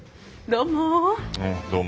どうも。